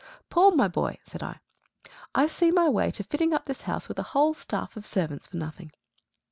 "Paul, my boy," said I, "I see my way to fitting up this house with a whole staff of servants for nothing."